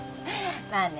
まあね。